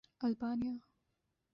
Albania